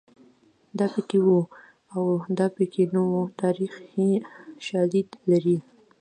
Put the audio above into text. دا پکې وو او دا پکې نه وو تاریخي شالید لري